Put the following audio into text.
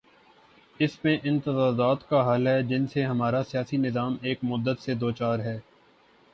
اس میں ان تضادات کا حل ہے، جن سے ہمارا سیاسی نظام ایک مدت سے دوچار ہے۔